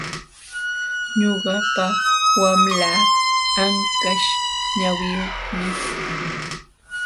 Ñuqapa wamlaa anqaśh ñawiyuqmi.